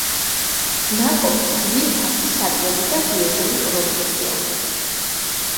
ნაყოფი ძვირფასი საკვები და დიეტური პროდუქტია.